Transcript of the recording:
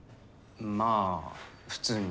まあ普通に。